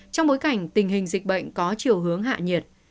trong bối cảnh tình hình dịch bệnh có chiều hướng hạ nhiệt